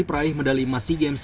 peraih medali masi games